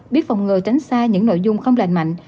biết phòng ngừa tránh xa những nội dung không lành mạnh